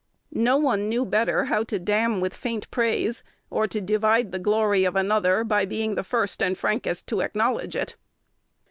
No one knew better how to "damn with faint praise," or to divide the glory of another by being the first and frankest to acknowledge it.